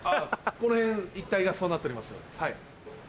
この辺一帯がそうなっております。